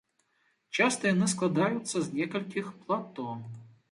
Часта яны складаюцца з некалькіх плато.